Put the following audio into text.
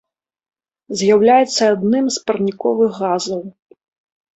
З'яўляецца адным з парніковых газаў.